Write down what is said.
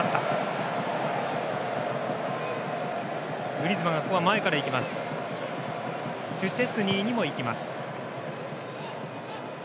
グリーズマンが前から行きます。